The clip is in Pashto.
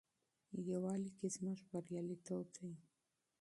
یووالي کې زموږ بریالیتوب دی.